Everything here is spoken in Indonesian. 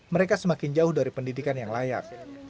mereka semakin jauh dari pendidikan yang layak